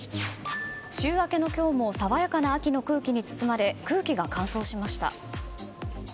週明けの今日も爽やかな秋の空気に包まれ空気が乾燥しました。